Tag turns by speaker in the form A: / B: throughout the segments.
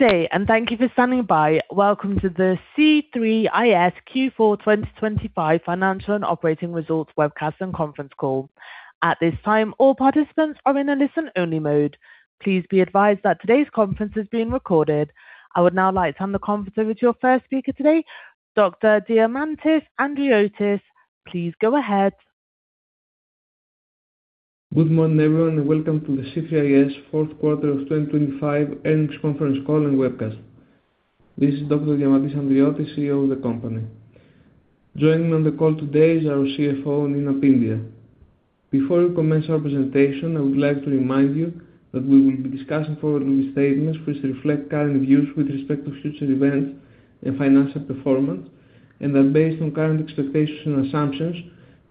A: Good day, and thank you for standing by. Welcome to the C3is Q4 2025 Financial and Operating Results webcast and conference call. At this time, all participants are in a listen-only mode. Please be advised that today's conference is being recorded. I would now like to hand the conference over to your first speaker today, Dr. Diamantis Andriotis. Please go ahead.
B: Good morning, everyone, and welcome to the C3is Q4 of 2025 earnings conference call and webcast. This is Dr. Diamantis Andriotis, CEO of the company. Joining me on the call today is our CFO, Nina Pyndiah. Before we commence our presentation, I would like to remind you that we will be discussing forward-looking statements, which reflect current views with respect to future events and financial performance, and are based on current expectations and assumptions,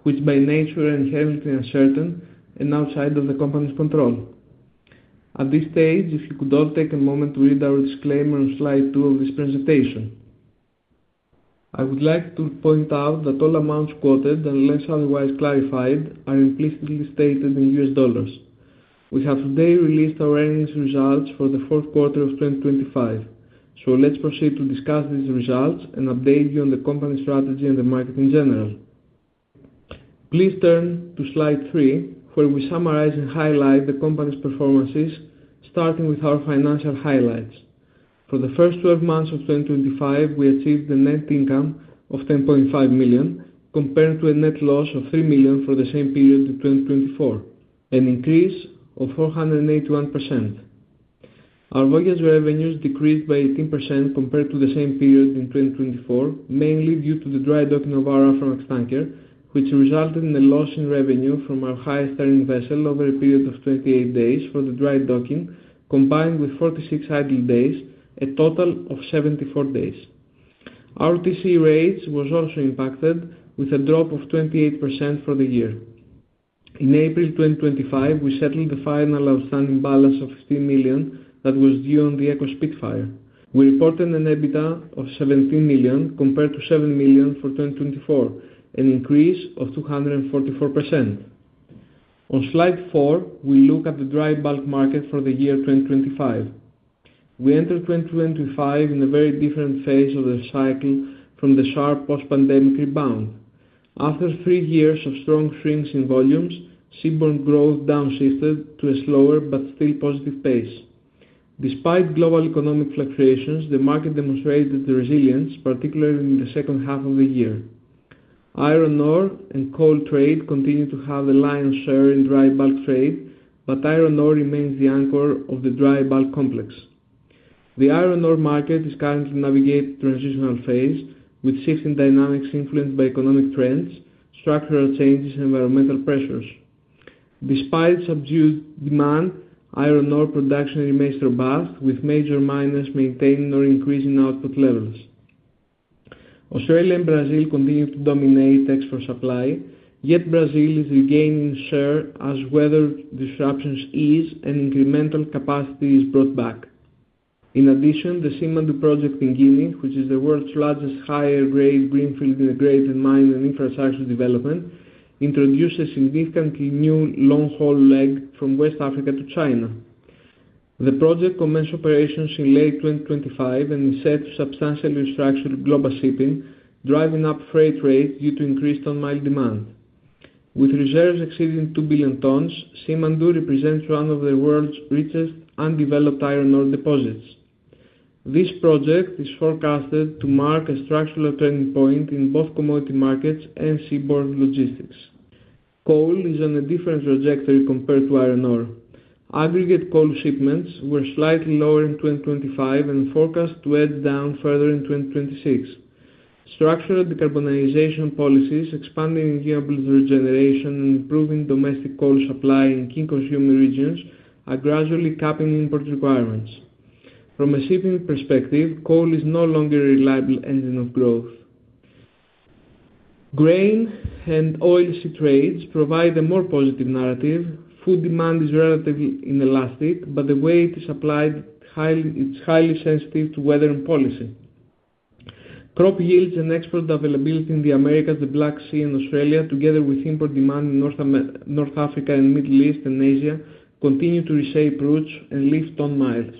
B: which by nature are inherently uncertain and outside of the company's control. At this stage, if you could all take a moment to read our disclaimer on slide two of this presentation. I would like to point out that all amounts quoted, unless otherwise clarified, are implicitly stated in USD. We have today released our earnings results for the Q4 of 2025. So let's proceed to discuss these results and update you on the company's strategy and the market in general. Please turn to slide three, where we summarize and highlight the company's performances, starting with our financial highlights. For the first 12 months of 2025, we achieved a net income of $10.5 million, compared to a net loss of $3 million for the same period in 2024, an increase of 481%. Our voyage revenues decreased by 18% compared to the same period in 2024, mainly due to the dry docking of our Aframax tanker, which resulted in a loss in revenue from our highest earning vessel over a period of 28 days for the dry docking, combined with 46 idle days, a total of 74 days. Our TC rates was also impacted with a drop of 28% for the year. In April 2025, we settled the final outstanding balance of $15 million that was due on the Eco Spitfire. We reported an EBITDA of $17 million compared to $7 million for 2024, an increase of 244%. On slide four, we look at the dry bulk market for the year 2025. We entered 2025 in a very different phase of the cycle from the sharp post-pandemic rebound. After three years of strong shrinks in volumes, seaborne growth downshifted to a slower but still positive pace. Despite global economic fluctuations, the market demonstrated resilience, particularly in the second half of the year. Iron ore and coal trade continue to have the lion's share in dry bulk trade, but iron ore remains the anchor of the dry bulk complex. The iron ore market is currently navigating transitional phase, with shifting dynamics influenced by economic trends, structural changes, and environmental pressures. Despite subdued demand, iron ore production remains robust, with major miners maintaining or increasing output levels. Australia and Brazil continue to dominate export supply, yet Brazil is regaining share as weather disruptions ease and incremental capacity is brought back. In addition, the Simandou project in Guinea, which is the world's largest higher-grade greenfield integrated mine and infrastructure development, introduces significantly new long-haul leg from West Africa to China. The project commenced operations in late 2025 and is set to substantially restructure global shipping, driving up freight rates due to increased ton-mile demand. With reserves exceeding 2 billion tons, Simandou represents one of the world's richest undeveloped iron ore deposits. This project is forecasted to mark a structural turning point in both commodity markets and seaborne logistics. Coal is on a different trajectory compared to iron ore. Aggregate coal shipments were slightly lower in 2025 and forecast to edge down further in 2026. Structural decarbonization policies, expanding renewable generation, and improving domestic coal supply in key consumer regions are gradually capping import requirements. From a shipping perspective, coal is no longer a reliable engine of growth. Grain and oil seed trades provide a more positive narrative. Food demand is relatively inelastic, but the way it is supplied, highly sensitive to weather and policy. Crop yields and export availability in the Americas, the Black Sea and Australia, together with import demand in North Africa and Middle East and Asia, continue to reshape routes and lift ton miles.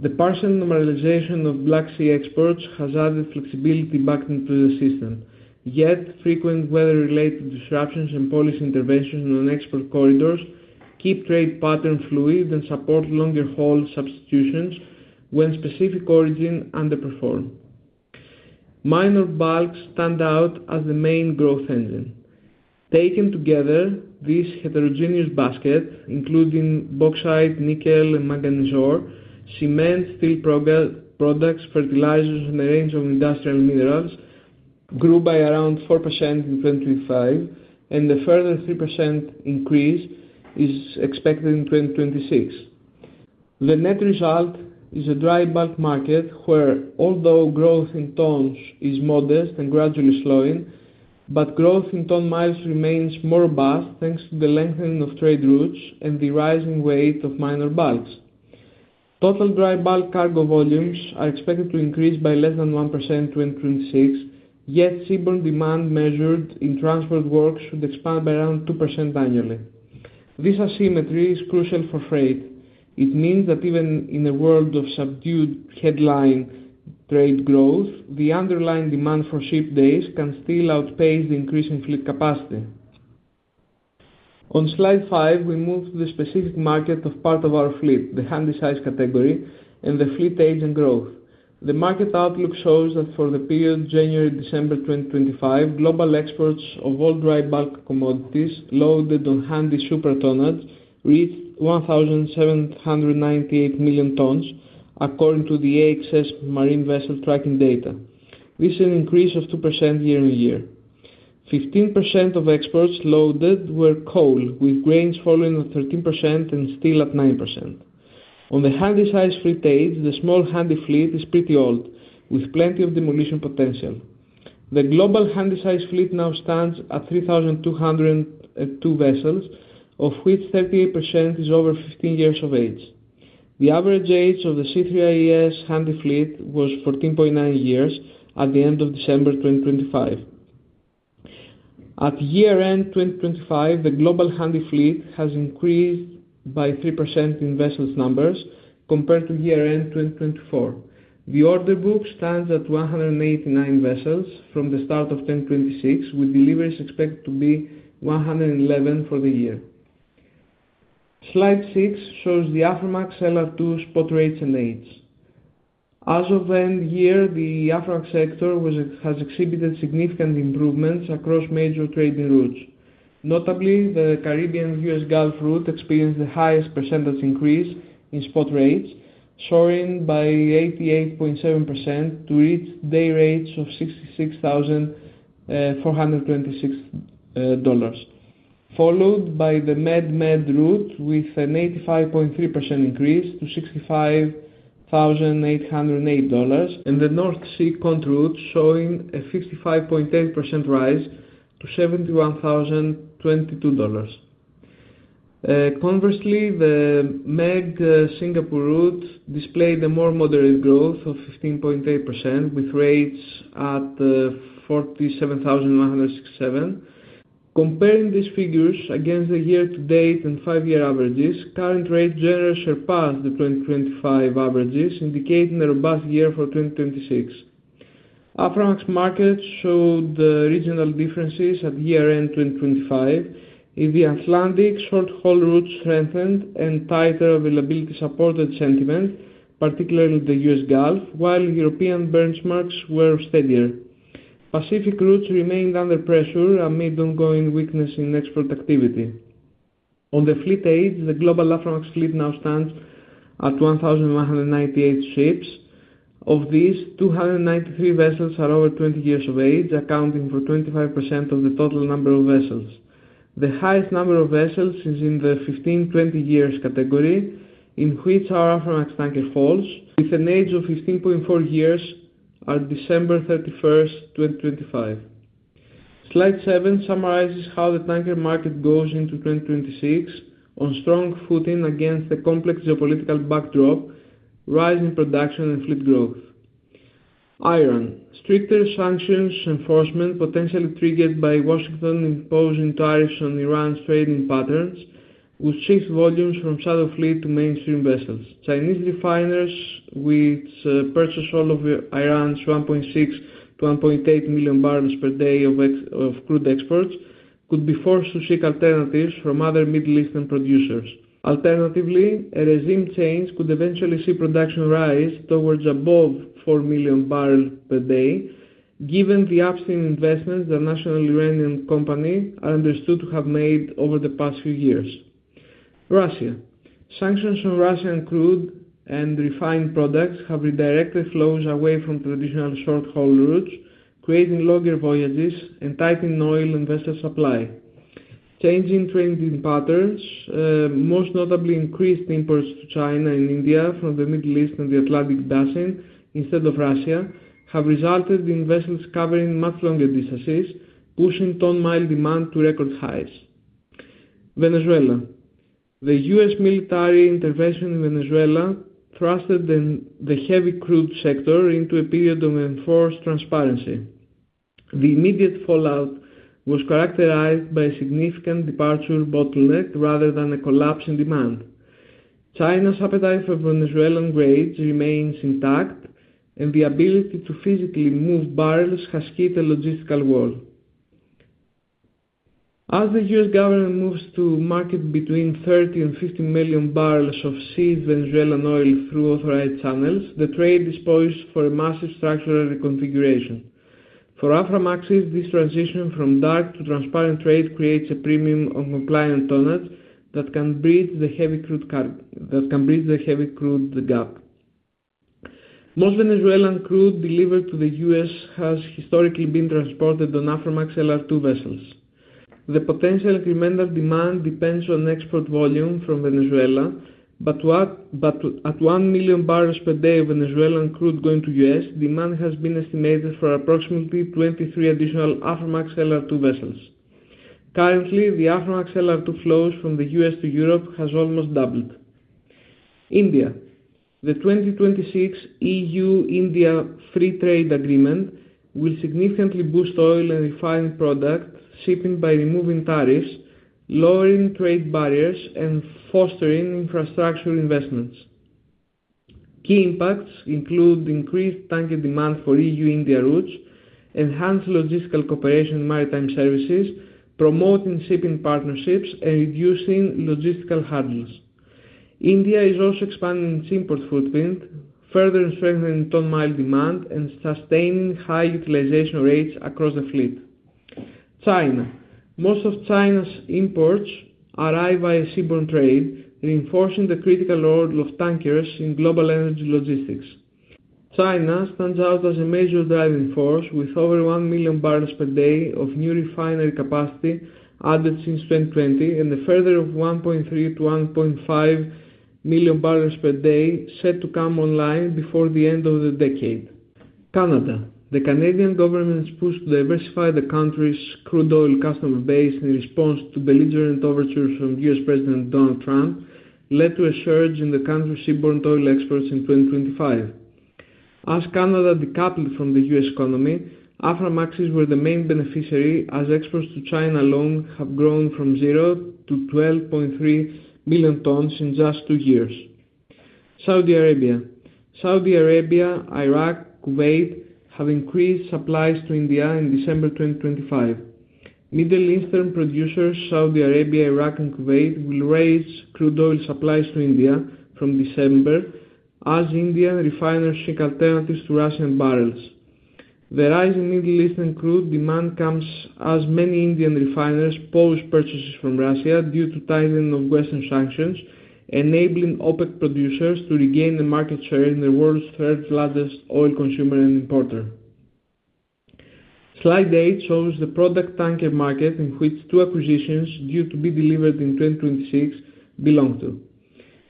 B: The partial normalization of Black Sea exports has added flexibility back into the system. Yet, frequent weather-related disruptions and policy interventions on export corridors keep trade patterns fluid and support longer-haul substitutions when specific origins underperform. Minor bulks stand out as the main growth engine. Taken together, this heterogeneous basket, including bauxite, nickel, and manganese ore, cement, steel products, fertilizers, and a range of industrial minerals, grew by around 4% in 2025, and a further 3% increase is expected in 2026. The net result is a dry bulk market, where although growth in tons is modest and gradually slowing, but growth in ton miles remains more robust, thanks to the lengthening of trade routes and the rising weight of minor bulks. Total dry bulk cargo volumes are expected to increase by less than 1% in 2026, yet seaborne demand measured in transport work should expand by around 2% annually. This asymmetry is crucial for freight. It means that even in a world of subdued headline trade growth, the underlying demand for ship days can still outpace the increase in fleet capacity. On slide five, we move to the specific market of part of our fleet, the Handysize category, and the fleet age and growth. The market outlook shows that for the period January-December 2025, global exports of all dry bulk commodities loaded on Handysize tonnage reached 1,798 million tons, according to the AXS Marine Vessel Tracking data. This is an increase of 2% year-over-year. 15% of exports loaded were coal, with grains following at 13% and steel at 9%. On the Handysize fleet age, the small handy fleet is pretty old, with plenty of demolition potential. The global Handysize fleet now stands at 3,202 vessels, of which 38% is over 15 years of age. The average age of the C3is Handysize fleet was 14.9 years at the end of December 2025. At year-end 2025, the global Handysize fleet has increased by 3% in vessels numbers compared to year-end 2024. The order book stands at 189 vessels from the start of 2026, with deliveries expected to be 111 for the year. Slide 6 shows the Aframax LR2 spot rates and aids. As of the end year, the Aframax sector has exhibited significant improvements across major trading routes. Notably, the Caribbean-US Gulf route experienced the highest percentage increase in spot rates, soaring by 88.7% to reach day rates of $66,426, followed by the Med-Med route with an 85.3% increase to $65,808, and the North Sea-Continent route showing a 55.8% rise to $71,022. Conversely, the Med-Singapore route displayed a more moderate growth of 15.8%, with rates at $47,167. Comparing these figures against the year-to-date and five-year averages, current rates generally surpass the 2025 averages, indicating a robust year for 2026. Aframax markets showed regional differences at year-end 2025. In the Atlantic, short-haul routes strengthened and tighter availability supported sentiment, particularly in the US Gulf, while European benchmarks were steadier. Pacific routes remained under pressure amid ongoing weakness in export activity. On the fleet age, the global Aframax fleet now stands at 1,198 ships. Of these, 293 vessels are over 20 years of age, accounting for 25% of the total number of vessels. The highest number of vessels is in the 15-20 years category, in which our Aframax tanker falls, with an age of 15.4 years at December 31, 2025. Slide seven summarizes how the tanker market goes into 2026 on strong footing against a complex geopolitical backdrop, rise in production and fleet growth. Iran: stricter sanctions enforcement, potentially triggered by Washington, imposing tariffs on Iran's trading patterns, would shift volumes from shadow fleet to mainstream vessels. Chinese refiners, which purchase all of Iran's 1.6-1.8 million barrels per day of crude exports, could be forced to seek alternatives from other Middle Eastern producers. Alternatively, a regime change could eventually see production rise towards above 4 million barrels per day, given the upstream investments the National Iranian Company are understood to have made over the past few years. Russia: sanctions on Russian crude and refined products have redirected flows away from traditional short-haul routes, creating longer voyages and tightening oil investor supply. Changing trading patterns, most notably increased imports to China and India from the Middle East and the Atlantic Basin, instead of Russia, have resulted in vessels covering much longer distances, pushing ton mile demand to record highs. Venezuela: the U.S. military intervention in Venezuela thrusted the heavy crude sector into a period of enforced transparency. The immediate fallout was characterized by a significant departure bottleneck rather than a collapse in demand. China's appetite for Venezuelan grades remains intact, and the ability to physically move barrels has hit a logistical wall. As the US government moves to market between 30 and 50 million barrels of seized Venezuelan oil through authorized channels, the trade is poised for a massive structural reconfiguration. For Aframaxes, this transition from dark to transparent trade creates a premium on compliant tonnage that can bridge the heavy crude, the gap. Most Venezuelan crude delivered to the U.S. has historically been transported on Aframax LR2 vessels. The potential incremental demand depends on export volume from Venezuela, but at 1 million barrels per day of Venezuelan crude going to U.S., demand has been estimated for approximately 23 additional Aframax LR2 vessels. Currently, the Aframax LR2 flows from the U.S. to Europe has almost doubled. India. The 2026 EU-India Free Trade Agreement will significantly boost oil and refined product shipping by removing tariffs, lowering trade barriers, and fostering infrastructure investments. Key impacts include increased tanker demand for EU-India routes, enhanced logistical cooperation in maritime services, promoting shipping partnerships, and reducing logistical hurdles. India is also expanding its import footprint, further strengthening ton mile demand and sustaining high utilization rates across the fleet. China. Most of China's imports arrive via seaborne trade, reinforcing the critical role of tankers in global energy logistics. China stands out as a major driving force, with over 1 million barrels per day of new refinery capacity added since 2020, and a further of 1.3-1.5 million barrels per day set to come online before the end of the decade. Canada. The Canadian government's push to diversify the country's crude oil customer base in response to belligerent overtures from US President Donald Trump, led to a surge in the country's seaborne oil exports in 2025. As Canada decoupled from the US economy, Aframaxes were the main beneficiary, as exports to China alone have grown from zero to 12.3 million tons in just two years. Saudi Arabia. Saudi Arabia, Iraq, Kuwait, have increased supplies to India in December 2025. Middle Eastern producers, Saudi Arabia, Iraq and Kuwait, will raise crude oil supplies to India from December, as Indian refiners seek alternatives to Russian barrels. The rise in Middle Eastern crude demand comes as many Indian refiners pause purchases from Russia due to tightening of Western sanctions, enabling OPEC producers to regain their market share in the world's third largest oil consumer and importer. Slide eight shows the product tanker market, in which two acquisitions due to be delivered in 2026 belong to.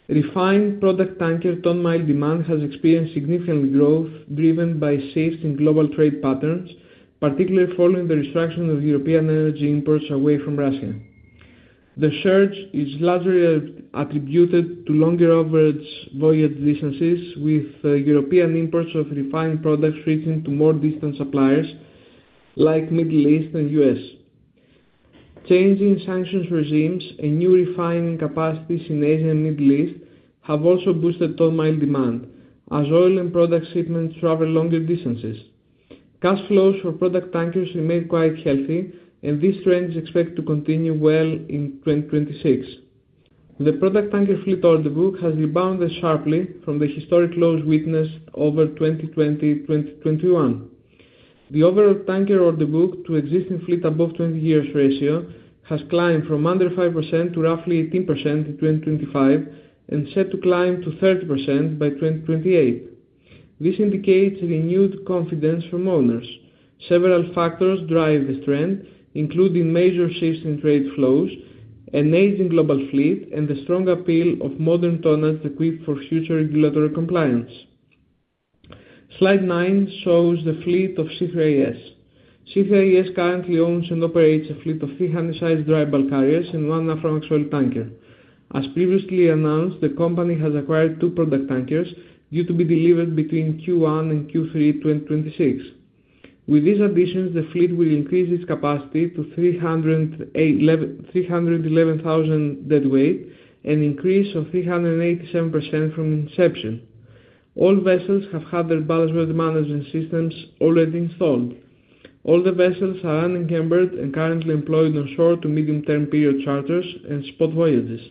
B: Refined product tanker ton-mile demand has experienced significant growth, driven by shifts in global trade patterns, particularly following the restriction of European energy imports away from Russia. The surge is largely attributed to longer average voyage distances, with European imports of refined products reaching to more distant suppliers like Middle East and US Changing sanctions regimes and new refining capacities in Asia and Middle East have also boosted ton-mile demand, as oil and product shipments travel longer distances. Cash flows for product tankers remain quite healthy, and this trend is expected to continue well into 2026. The product tanker fleet order book has rebounded sharply from the historic lows witnessed over 2020, 2021. The overall tanker order book to existing fleet above 20 years ratio has climbed from under 5% to roughly 18% in 2025, and set to climb to 30% by 2028. This indicates renewed confidence from owners. Several factors drive this trend, including major shifts in trade flows, an aging global fleet, and the strong appeal of modern tonnage equipped for future regulatory compliance. Slide nine shows the fleet of C3is. C3is currently owns and operates a fleet of three Handysize dry bulk carriers and one Aframax oil tanker. As previously announced, the company has acquired two product tankers due to be delivered between Q1 and Q3 2026. With these additions, the fleet will increase its capacity to 308-311,000 deadweight, an increase of 387% from inception. All vessels have had their ballast water management systems already installed. All the vessels are unencumbered and currently employed on short to medium-term period charters and spot voyages.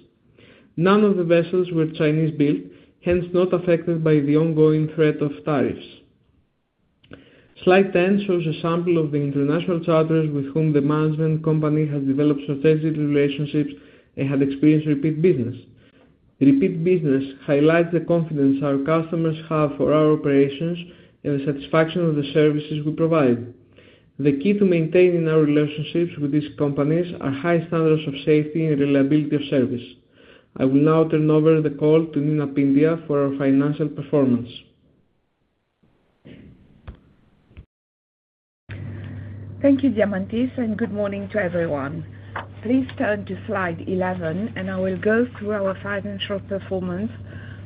B: None of the vessels were Chinese-built, hence not affected by the ongoing threat of tariffs. Slide 10 shows a sample of the international charters with whom the management company has developed strategic relationships and had experienced repeat business. Repeat business highlights the confidence our customers have for our operations and the satisfaction of the services we provide. The key to maintaining our relationships with these companies are high standards of safety and reliability of service. I will now turn over the call to Nina Pyndiah for our financial performance.
C: Thank you, Diamantis, and good morning to everyone. Please turn to slide 11, and I will go through our financial performance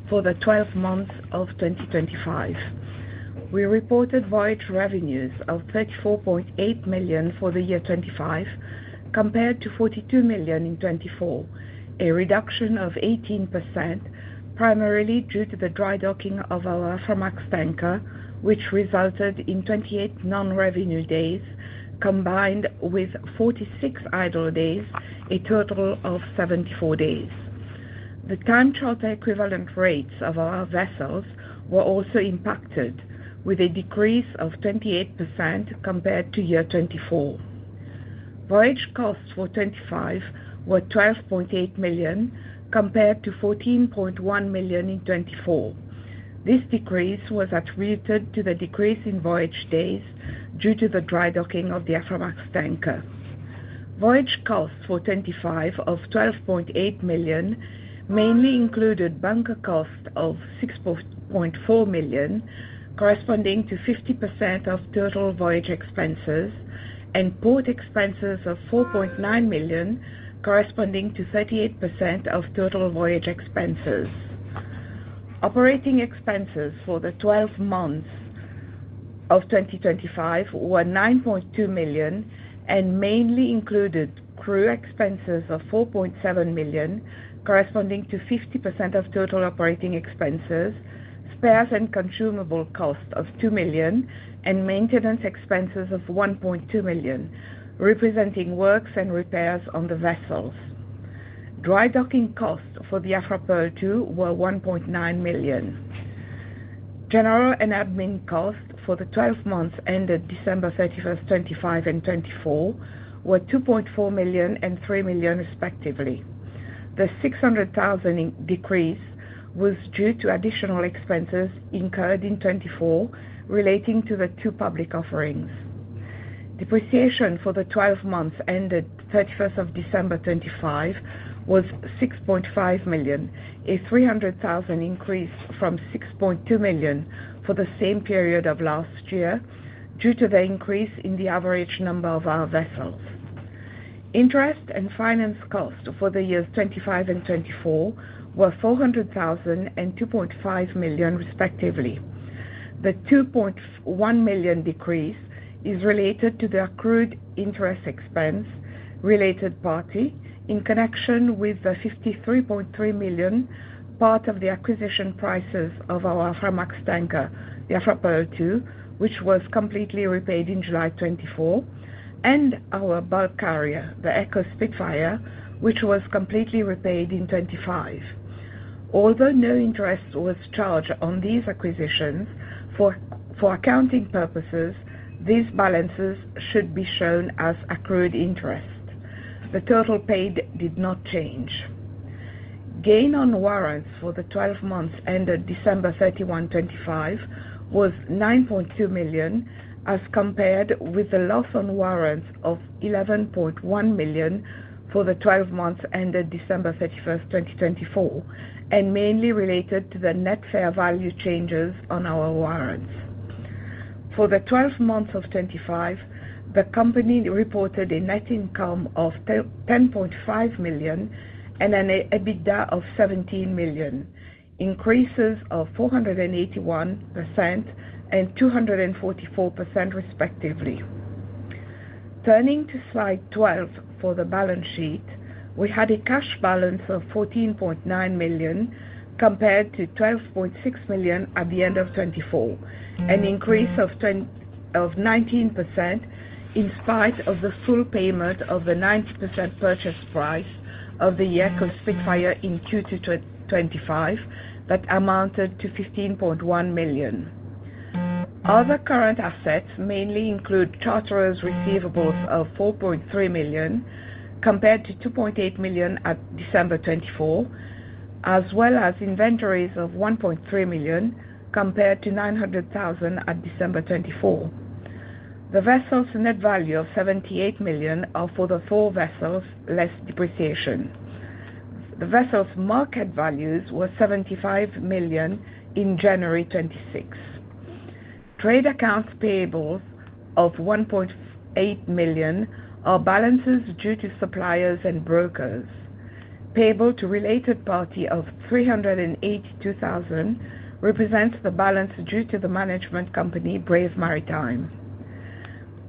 C: for the 12 months of 2025. We reported voyage revenues of $34.8 million for the year 2025, compared to $42 million in 2024, a reduction of 18%, primarily due to the dry docking of our Aframax tanker, which resulted in 28 non-revenue days, combined with 46 idle days, a total of 74 days. The time charter equivalent rates of our vessels were also impacted, with a decrease of 28% compared to year 2024. Voyage costs for 2025 were $12.8 million, compared to $14.1 million in 2024. This decrease was attributed to the decrease in voyage days due to the dry docking of the Aframax tanker. Voyage costs for 2025 of $12.8 million mainly included bunker costs of $6.4 million, corresponding to 50% of total voyage expenses, and port expenses of $4.9 million, corresponding to 38% of total voyage expenses. Operating expenses for the 12 months of 2025 were $9.2 million, and mainly included crew expenses of $4.7 million, corresponding to 50% of total operating expenses, spares and consumable cost of $2 million, and maintenance expenses of $1.2 million, representing works and repairs on the vessels. Dry docking costs for the Afra Pearl II were $1.9 million. General and admin costs for the 12 months ended December 31, 2025 and 2024, were $2.4 million and $3 million, respectively. The $600,000 decrease was due to additional expenses incurred in 2024, relating to the two public offerings. Depreciation for the 12 months ended December 31, 2025, was $6.5 million, a $300,000 increase from $6.2 million for the same period of last year, due to the increase in the average number of our vessels. Interest and finance cost for the years 2025 and 2024 were $400,000 and $2.5 million, respectively. The $2.1 million decrease is related to the accrued interest expense related party, in connection with the $53.3 million, part of the acquisition prices of our Aframax tanker, the Afra Pearl II, which was completely repaid in July of 2024, and our bulk carrier, the Eco Spitfire, which was completely repaid in 2025. Although no interest was charged on these acquisitions, for accounting purposes, these balances should be shown as accrued interest. The total paid did not change. Gain on warrants for the 12 months ended December 31, 2025, was $9.2 million, as compared with the loss on warrants of $11.1 million for the 12 months ended December 31, 2024, and mainly related to the net fair value changes on our warrants. For the 12 months of 2025, the company reported a net income of $10.5 million and an EBITDA of $17 million, increases of 481% and 244%, respectively. Turning to slide 12, for the balance sheet, we had a cash balance of $14.9 million, compared to $12.6 million at the end of 2024, an increase of 19%, in spite of the full payment of the 90% purchase price of the Eco Spitfire in Q2 2025, that amounted to $15.1 million. Other current assets mainly include charterers' receivables of $4.3 million, compared to $2.8 million at December 2024, as well as inventories of $1.3 million, compared to $900,000 at December 2024. The vessel's net value of $78 million are for the four vessels, less depreciation. The vessel's market values were $75 million in January 2026. Trade accounts payables of $1.8 million are balances due to suppliers and brokers. Payable to related party of $382,000 represents the balance due to the management company, Brave Maritime.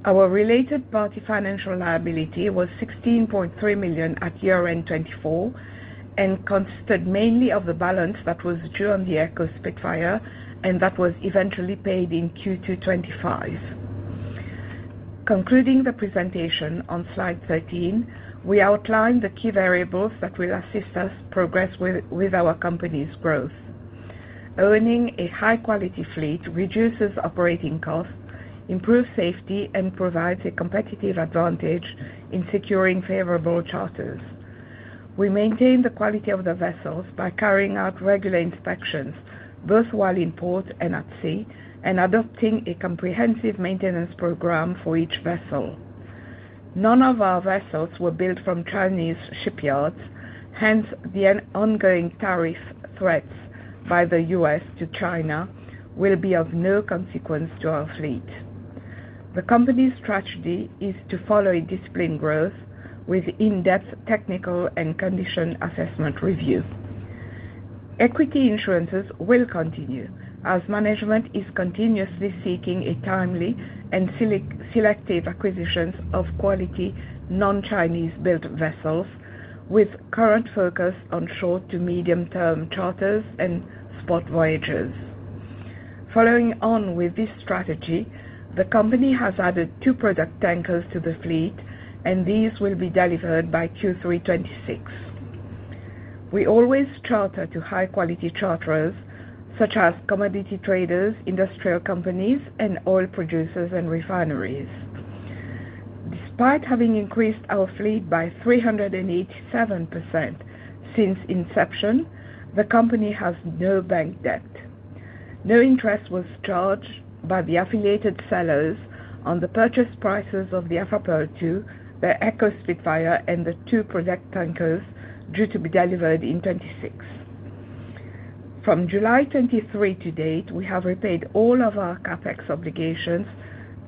C: Our related party financial liability was $16.3 million at year-end 2024, and consisted mainly of the balance that was due on the Eco Spitfire, and that was eventually paid in Q2 2025. Concluding the presentation on Slide 13, we outline the key variables that will assist us progress with our company's growth. Owning a high-quality fleet reduces operating costs, improves safety, and provides a competitive advantage in securing favorable charters. We maintain the quality of the vessels by carrying out regular inspections, both while in port and at sea, and adopting a comprehensive maintenance program for each vessel. None of our vessels were built from Chinese shipyards, hence the ongoing tariff threats by the US to China will be of no consequence to our fleet. The company's strategy is to follow a disciplined growth with in-depth technical and condition assessment review. Equity financings will continue, as management is continuously seeking a timely and selective acquisitions of quality, non-Chinese-built vessels, with current focus on short to medium-term charters and spot voyages. Following on with this strategy, the company has added two product tankers to the fleet, and these will be delivered by Q3 2026. We always charter to high-quality charterers, such as commodity traders, industrial companies, and oil producers and refineries. Despite having increased our fleet by 387% since inception, the company has no bank debt. No interest was charged by the affiliated sellers on the purchase prices of the Afra Pearl II, the Eco Spitfire, and the two product tankers due to be delivered in 2026. From July 2023 to date, we have repaid all of our CapEx obligations,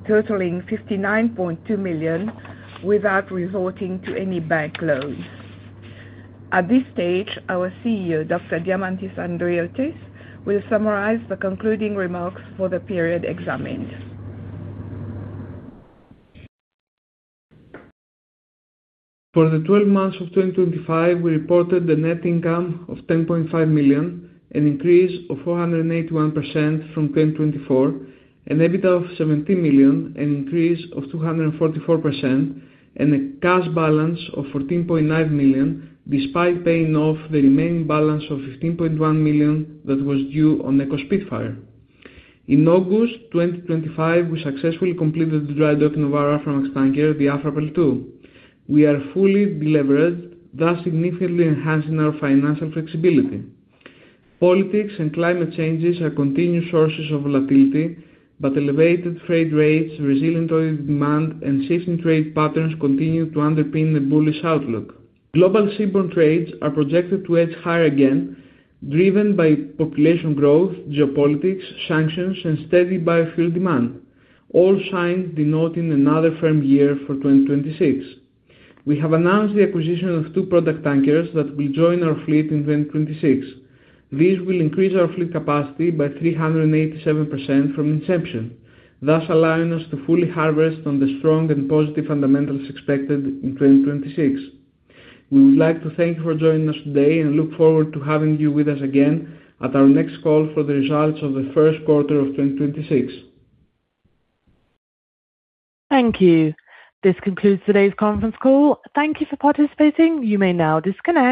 C: totaling $59.2 million, without resorting to any bank loans. At this stage, our CEO, Dr. Diamantis Andriotis, will summarize the concluding remarks for the period examined.
B: For the 12 months of 2025, we reported a net income of $10.5 million, an increase of 481% from 2024, an EBITDA of $17 million, an increase of 244%, and a cash balance of $14.9 million, despite paying off the remaining balance of $15.1 million that was due on Eco Spitfire. In August 2025, we successfully completed the dry docking of our Aframax tanker, the Afra Pearl II. We are fully deleveraged, thus significantly enhancing our financial flexibility. Politics and climate changes are continued sources of volatility, but elevated freight rates, resilient oil demand, and shifting trade patterns continue to underpin a bullish outlook. Global seaborne trades are projected to edge higher again, driven by population growth, geopolitics, sanctions, and steady biofuel demand, all signs denoting another firm year for 2026. We have announced the acquisition of two product tankers that will join our fleet in 2026. These will increase our fleet capacity by 387% from inception, thus allowing us to fully harvest on the strong and positive fundamentals expected in 2026. We would like to thank you for joining us today and look forward to having you with us again at our next call for the results of the Q1 of 2026.
A: Thank you. This concludes today's conference call. Thank you for participating. You may now disconnect.